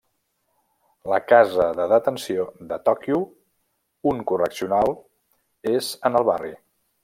La Casa de Detenció de Tòquio, un correccional, és en el barri.